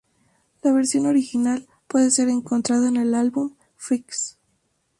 La versión original puede ser encontrada en el álbum "Freaks".